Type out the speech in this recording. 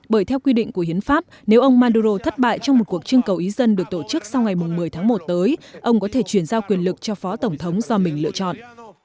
bởi theo quy định của hiến pháp nếu ông manduro thất bại trong một cuộc trưng cầu ý dân được tổ chức sau ngày một mươi tháng một tới ông có thể chuyển giao quyền lực cho phó tổng thống do mình lựa chọn